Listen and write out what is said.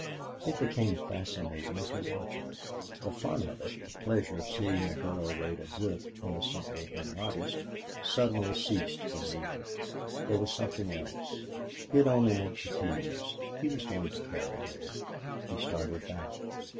It became fascinating to watch her. The fun of it the pleasure of seeing a girl wade a brook, innocently immodest, suddenly ceased for Neale. There was something else. He had only meant to tease; he was going to carry her; he started back.